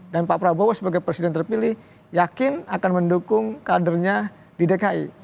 dan pak prabowo sebagai presiden terpilih yakin akan mendukung kadernya di dki